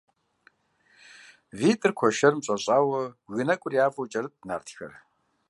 ВитӀыр куэшэрым щӀэщӀауэ бгы нэкӀур явэу кӀэрытт нартхэр.